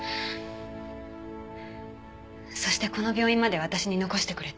そしてこの病院まで私に残してくれた。